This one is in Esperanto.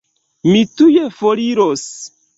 Mi tuj foriros.